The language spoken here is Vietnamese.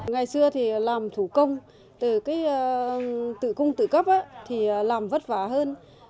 ngày xưa thì làm thủ công từ cái tự cung tự cấp thì làm vất vả hơn